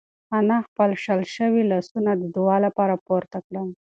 انا خپل شل شوي لاسونه د دعا لپاره پورته کړل.